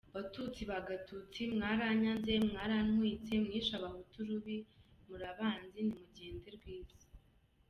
Batutsi ba Gatutsi mwaranyaze, mwaratwitse, mwishe abahutu rubi, muri abanzi nimugende rwiza.